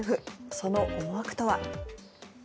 その思惑とは。